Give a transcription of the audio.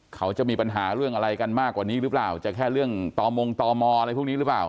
เขาจะมีปัญหาเรื่องอะไรกันมากกว่านี้หรือเปล่าจะแค่เรื่องต่อมงตมอะไรพวกนี้หรือเปล่า